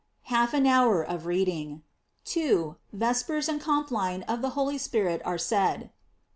Half an hour of reading. 2. Vespers and com plin of the Holy Spirit are said.